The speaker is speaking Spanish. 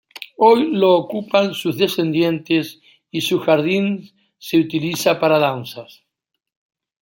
Hoy lo ocupan sus descendientes, y su jardín se utiliza para danzas.